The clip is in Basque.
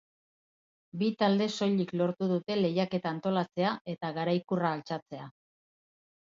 Bi talde soilik lortu dute lehiaketa antolatzea eta garaikurra altxatzea.